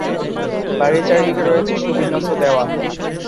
বাড়ির চারিদিকে রয়েছে সুবিন্যস্ত দেওয়াল।